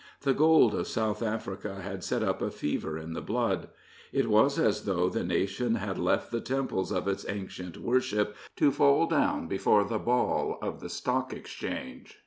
The gold of South Africa had set up a fever in the blood. It was as though the nation had left the temples of its ancient worship to fall down before the Baal of the Stock Exchange.